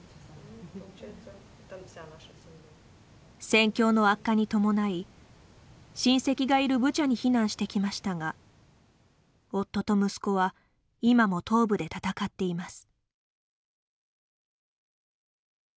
戦況の悪化に伴い親戚がいるブチャに避難してきましたが夫と息子は今も東部で戦っています。